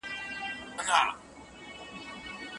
پرېږده د خوار ژوند ديوه گړي سخا واخلمه